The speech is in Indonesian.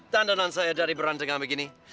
tanda tanda saya dari berantakan begini